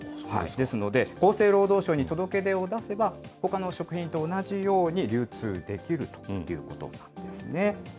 ですので、厚生労働省に届け出を出せば、ほかの食品と同じように流通できるということなんですね。